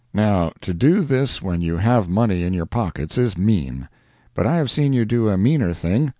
Now, to do this when you have money in your pockets is mean. But I have seen you do a meaner thing.